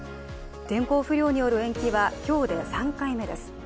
天候不良による延期は今日で３回目です。